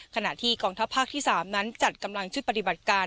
ขณะที่กองทัพภาคที่๓นั้นจัดกำลังชุดปฏิบัติการ